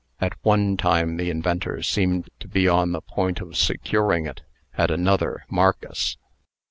At one time the inventor seemed to be on the point of securing it; at another, Marcus.